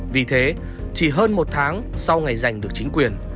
vì thế chỉ hơn một tháng sau ngày giành được chính quyền